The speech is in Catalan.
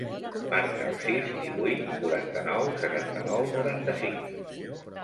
Marca el sis, divuit, quaranta-nou, setanta-nou, noranta-cinc.